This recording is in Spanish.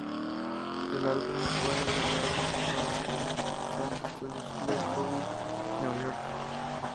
El álbum fue grabado en Cove City Sound Studios en Glen Cove, New York.